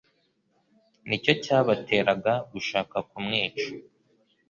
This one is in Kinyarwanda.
nicyo cyabateraga gushaka kumwica.